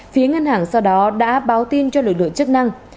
phía ngân hàng sau đó đã báo tin cho lực lượng chức năng